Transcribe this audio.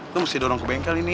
lo mesti dorong ke bengkel ini